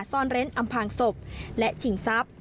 ซ่อนเร้นอำพางศพและชิงทรัพย์